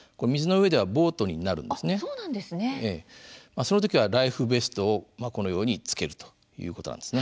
その時はライフベストをこのようにつけるということなんですね。